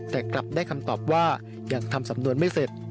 แต่กลับได้คำตอบว่ายังทำสำนวนไม่เสร็จ